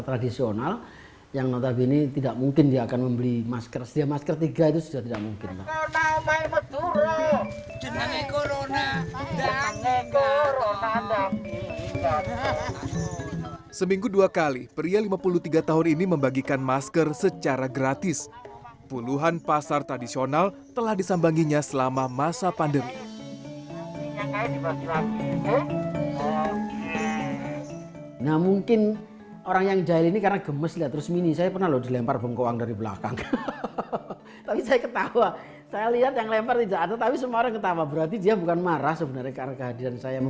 tapi mungkin karena gemes lihat resmi ini